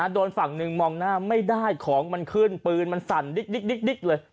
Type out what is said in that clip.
โดนฝั่งหนึ่งมองหน้าไม่ได้ของมันขึ้นปืนมันสั่นดิ๊กเลย